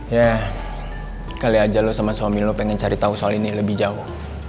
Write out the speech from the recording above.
ya kali aja lo sama suami lu pengen cari tahu soal ini lebih jauh